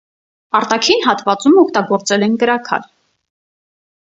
Արտաքին հատվածում օգտագործել են կրաքար։